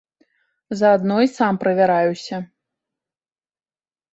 Заадно і сам правяраюся.